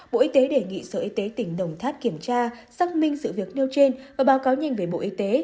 bộ y tế đề nghị sở y tế tỉnh đồng tháp kiểm tra xác minh sự việc nêu trên và báo cáo nhanh về bộ y tế